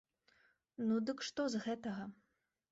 Ну, дык што з гэтага?